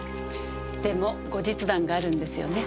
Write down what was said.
でも後日談があるんですよね。